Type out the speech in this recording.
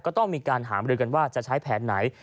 ก็ต้องมีการหามรือกันว่าจะใช้แผนไหน